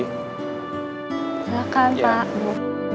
silahkan pak bu